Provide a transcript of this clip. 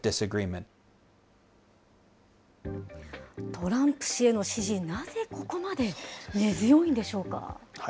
トランプ氏への支持、なぜここまで根強いんでしょうか。